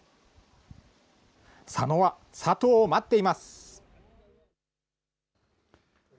佐野は佐藤を待っています。